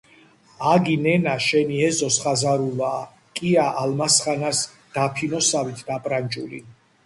აგი, ნენა, შენი ეზოს ხაზარულაა, კია ალმასხანას დაფინოსავით დაპრანჭული.